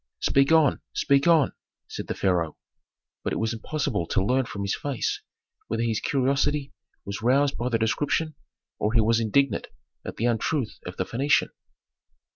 "Speak on, speak on!" said the pharaoh. But it was impossible to learn from his face whether his curiosity was roused by the description, or he was indignant at the untruth of the Phœnician.